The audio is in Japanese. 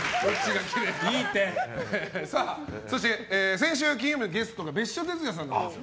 先週金曜日のゲストが別所哲也さんだったんです。